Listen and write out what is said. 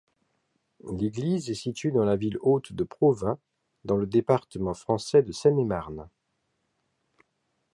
L'église est située dans la ville-haute de Provins, dans le département français de Seine-et-Marne.